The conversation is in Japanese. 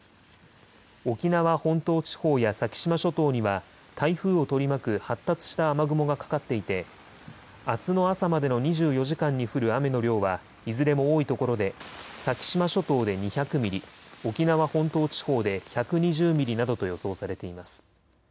沖縄本島地方や先島諸島には台風を取り巻く発達した雨雲がかかっていてあすの朝までの２４時間に降る雨の量はいずれも多いところで先島諸島で２００ミリ、沖縄本島地方で１２０ミリなどと予想されています。